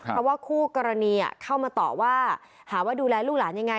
เพราะว่าคู่กรณีเข้ามาต่อว่าหาว่าดูแลลูกหลานยังไง